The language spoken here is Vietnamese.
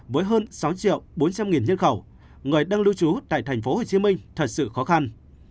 với hơn sáu triệu bốn trăm linh nghìn nhân khẩu người đang lưu trú tại thành phố hồ chí minh thật sự khó khăn